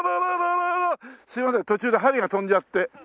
すいません途中で針が飛んじゃって。